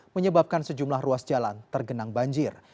menyebabkan sejumlah ruas jalan tergenang banjir